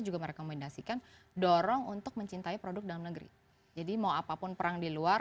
juga merekomendasikan dorong untuk mencintai produk dalam negeri jadi mau apapun perang di luar